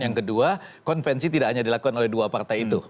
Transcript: yang kedua konvensi tidak hanya dilakukan oleh dua partai itu